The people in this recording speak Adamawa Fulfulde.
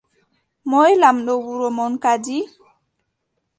Moy lamɗo wuro mon kadi ?